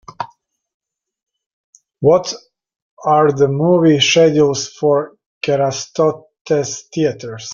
What are the movie schedules for Kerasotes Theatres